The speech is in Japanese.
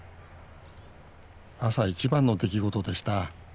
朝一番の出来事でした。